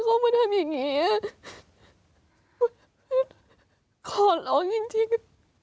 เขาไม่ทำอย่างนี้ขอร้อยจริง